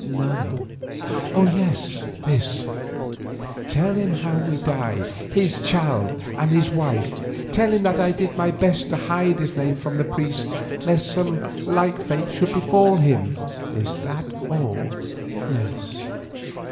"None—yes, this. Tell him how we died, his child and his wife—tell him that I did my best to hide his name from the priests lest some like fate should befall him." "Is that all?" "Yes.